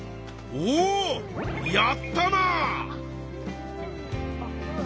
おやったな！